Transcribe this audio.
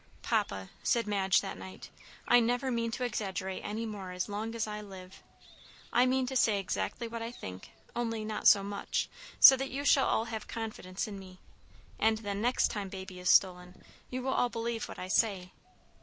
"Papa," said Madge that night, "I never mean to exaggerate any more as long as I live. I mean to say exactly what I think, only not so much, so that you shall all have confidence in me. And then, next time baby is stolen, you will all believe what I say."